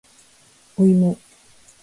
おいも